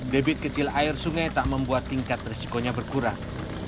debit kecil air sungai tak membuat tingkat risikonya berkurang